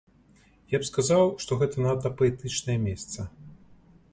Я б сказаў, што гэта надта паэтычнае месца.